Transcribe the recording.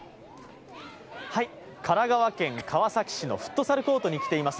神奈川県川崎市のフットサルコートに来ています。